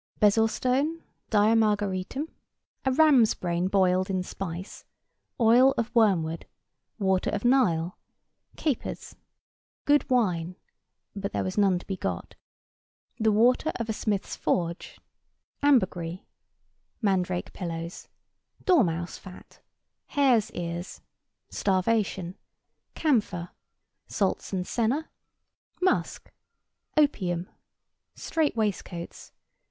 Bezoar stone. Diamargaritum. A ram's brain boiled in spice. Oil of wormwood. Water of Nile. Capers. Good wine (but there was none to be got). The water of a smith's forge. Ambergris. Mandrake pillows. Dormouse fat. Hares' ears. Starvation. Camphor. Salts and senna. Musk. Opium. Strait waistcoats.